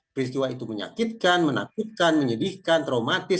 peristiwa itu menyakitkan menakutkan menyedihkan traumatis